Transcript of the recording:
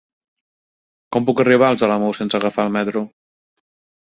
Com puc arribar als Alamús sense agafar el metro?